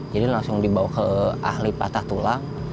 jadi langsung dibawa ke ahli patah tulang